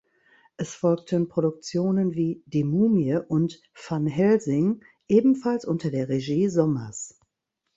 Es folgten Produktionen wie "Die Mumie" und "Van Helsing", ebenfalls unter der Regie Sommers.